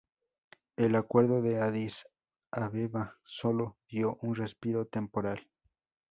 El acuerdo de Adís Abeba solo dio un respiro temporal.